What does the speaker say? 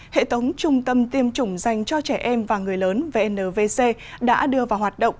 hệ thống trung tâm tiêm chủng dành cho trẻ em và người lớn vnvc đã đưa vào hoạt động